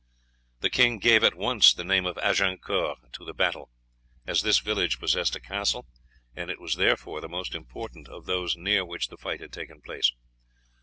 The king gave at once the name of Agincourt to the battle, as this village possessed a castle, and was therefore the most important of those near which the fight had taken place.